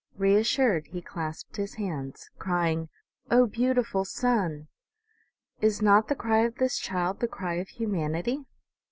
Reassured, he clasped his hands, crying, " O, beautiful sun !" Is not the cry of this child the cry of humanity